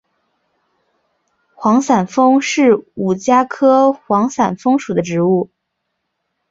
幌伞枫是五加科幌伞枫属的植物。